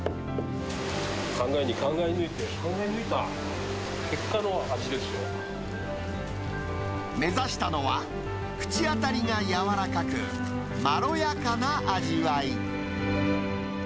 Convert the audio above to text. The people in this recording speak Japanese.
考えに考え抜いて、考え抜い目指したのは、口当たりが柔らかく、まろやかな味わい。